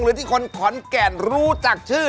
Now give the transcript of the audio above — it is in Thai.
หรือที่คนขอนแก่นรู้จักชื่อ